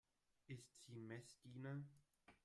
Ist sie Messdiener?